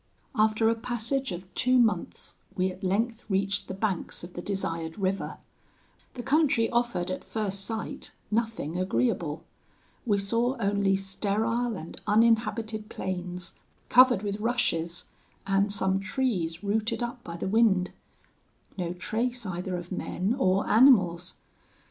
"'After a passage of two months, we at length reached the banks of the desired river. The country offered at first sight nothing agreeable. We saw only sterile and uninhabited plains, covered with rushes, and some trees rooted up by the wind. No trace either of men or animals.